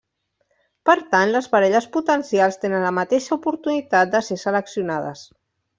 Per tant, les parelles potencials tenen la mateixa oportunitat de ser seleccionades.